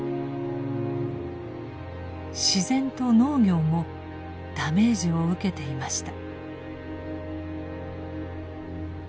自然と農業もダメージを受けていました。